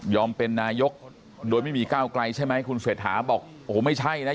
เป็นนายกโดยไม่มีก้าวไกลใช่ไหมคุณเศรษฐาบอกโอ้โหไม่ใช่นะ